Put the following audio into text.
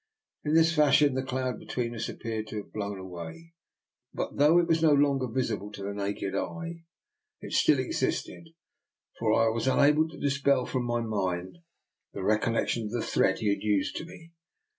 In this fashion the cloud between us appeared to have been blown away; but though it was no longer visible to the naked eye, it still existed, for I was unable to dispel from my mind the re collection of the threat he had used to me.